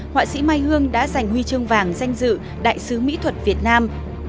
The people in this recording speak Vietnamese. họa sĩ mai hương đã giành huy chương vàng danh dự đại sứ mỹ thuật việt nam